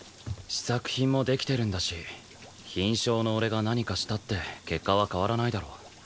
試作品もできてるんだし品証の俺が何かしたって結果は変わらないだろ。